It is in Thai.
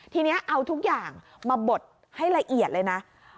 ทีนี้เอาทุกอย่างมาบดให้ละเอียดเลยนะ